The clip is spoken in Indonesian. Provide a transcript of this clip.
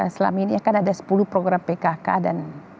selama ini kan ada sepuluh program pkk dan